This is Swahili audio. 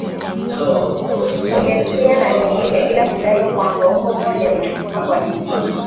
kileksia na lingine bila kudai kwamba umbo moja limetoka kwa lingine